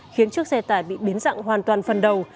khiến chiếc xe tải bị biến dặn hoàn toàn phần đầu